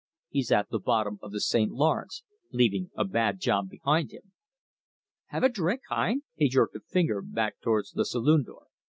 He's at the bottom of the St. Lawrence, leaving a bad job behind him. "Have a drink hein?" He jerked a finger backwards to the saloon door.